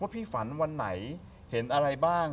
พี่ฝันวันไหนเห็นอะไรบ้าง